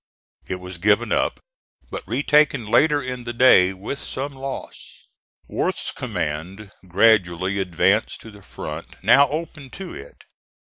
It was given up, but retaken later in the day, with some loss. Worth's command gradually advanced to the front now open to it.